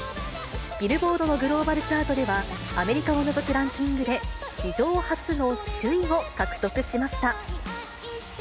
ビルボードのグローバルチャートでは、アメリカを除くランキングで、史上初の首位を獲得しました。